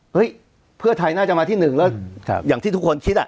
เฮ้ยเพื่อไทยน่าจะมาที่หนึ่งแล้วอย่างที่ทุกคนคิดอ่ะ